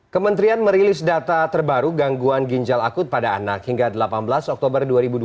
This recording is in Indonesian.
kementerian merilis data terbaru gangguan ginjal akut pada anak hingga delapan belas oktober dua ribu dua puluh